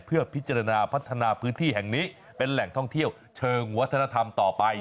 เพื่อพิจารณาพัฒนาพื้นที่แห่งนี้เป็นแหล่งท่องเที่ยวเชิงวัฒนธรรมต่อไป